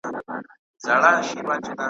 خاوري کېږې دا منمه خو د روح مطلب بل څه دی .